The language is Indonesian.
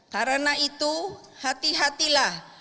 karena itu hati hatilah